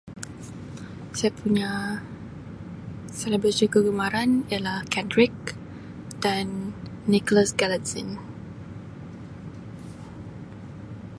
Sia punya selebriti kegemaran ialah Kate Rick dan Nicholas Galitzine.